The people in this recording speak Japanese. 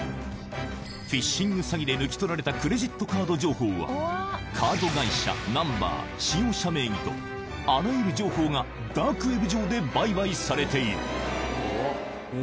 フィッシング詐欺で抜き取られたクレジットカード情報はカード会社ナンバー使用者名義とあらゆる情報が何かに。